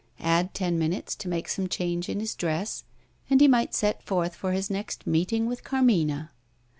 Add ten minutes to make some change in his dress and he might set forth for his next meeting with Carmina.